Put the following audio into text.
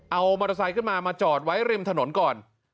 เอามอเตอร์ไซค์ขึ้นมามาจอดไว้ริมถนนก่อน